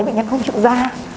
bệnh nhân không chịu ra